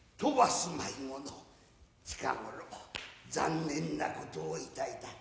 近頃残念なことをいたいた。